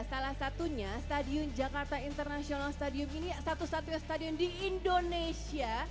salah satunya stadion jakarta international stadium ini satu satunya stadion di indonesia